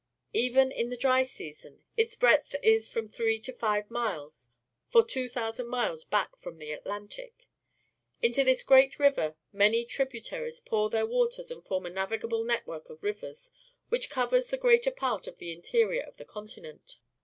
Even in the dry season, its breadth is from three to five miles for 2,000 miles back from the Atlantic. Into this great river many tributaries pour their waters and form a navigable net work of rivers, which co\'ers the greater part of the interior of the continent.